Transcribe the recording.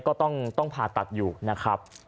ก็ต้องผ่าตัดอยู่นะครับ